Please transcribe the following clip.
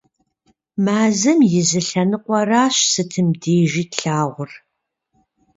Мазэм и зы лъэныкъуэращ сытым дежи тлъагъур.